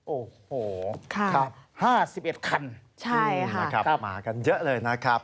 โอ้โฮคะ๕๑คันมากันเยอะเลยนะครับ